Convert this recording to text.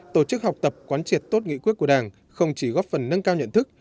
tổ chức học tập quán triệt tốt nghị quyết của đảng không chỉ góp phần nâng cao nhận thức